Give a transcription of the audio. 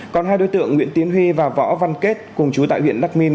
còn hai đối tượng nguyễn tiến huy và võ văn kết cùng chú tại huyện đắc minh